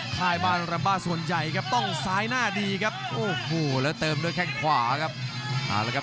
ค่ายบ้านรัมบ้าส่วนใหญ่ครับต้องซ้ายหน้าดีครับโอ้โหแล้วเติมด้วยแข้งขวาครับเอาละครับ